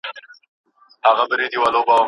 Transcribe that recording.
ګلالۍ د کلي د نورو ښځو په څېر ده.